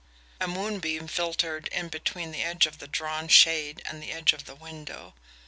A moonbeam filtered in between the edge of the drawn shade and the edge of the window.